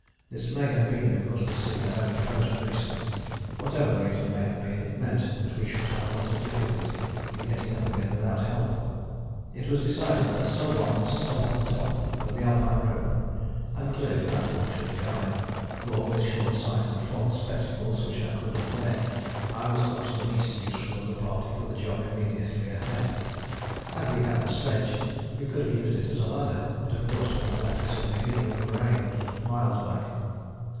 This may have been because the sea had only frozen recently; whatever the reason may have been it meant that we should have a lot of difficulty in getting up again without help. It was decided that some one must stop on the top with the Alpine rope, and clearly that one should be I, for with short sight and fogged spectacles which I could not wear I was much the least useful of the party for the job immediately ahead. Had we had the sledge we could have used it as a ladder, but of course we had left this at the beginning of the moraine miles back.